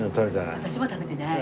私も食べてない。